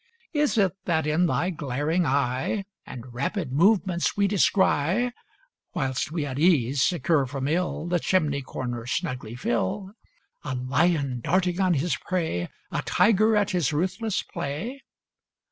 Is it that in thy glaring eye And rapid movements we descry Whilst we at ease, secure from ill, The chimney corner snugly fill A lion darting on his prey, A tiger at his ruthless play?